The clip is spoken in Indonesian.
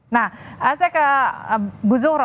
nah saya ke bu zuhro